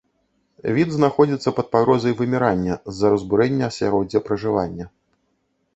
Від знаходзіцца пад пагрозай вымірання з-за разбурэння асяроддзя пражывання.